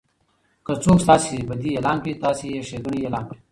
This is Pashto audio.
که څوک ستاسي بدي اعلان کړي؛ تاسي ئې ښېګړني اعلان کړئ!